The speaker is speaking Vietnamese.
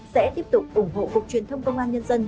sẽ tiếp tục ủng hộ cục truyền thông công an nhân dân